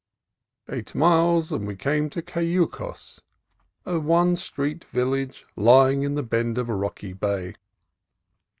Eight miles, and we came to Cayucos, a one street village lying in the bend of a rocky bay.